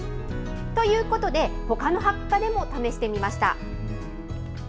ということで、ほかの葉っぱでも試してみました。